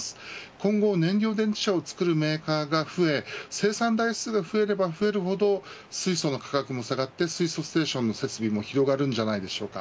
今後、燃料電池車を作るメーカーが増え、生産台数が増えれば増えるほど水素の価格も下がって水素ステーションの設備も広がるんじゃないでしょうか。